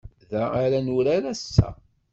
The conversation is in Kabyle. Da ara nurar ass-a.